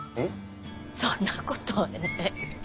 そんなことえ？